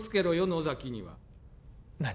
野崎には何？